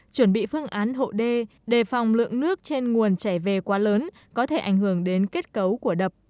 chuẩn bị phương án hộ đê đề phòng lượng nước trên nguồn chảy về quá lớn có thể ảnh hưởng đến kết cấu của đập